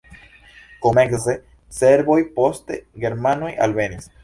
Komence serboj, poste germanoj alvenis.